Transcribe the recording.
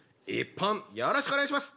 よろしくお願いします。